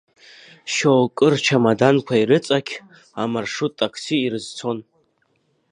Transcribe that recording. Џьоукы, рчамаданқәа ирыҵақь, амаршрут такси ирызцон.